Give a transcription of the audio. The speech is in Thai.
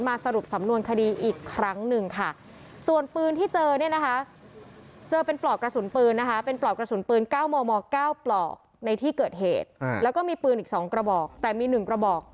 มาสรุปสำนวนคดีอีกครั้งหนึ่ง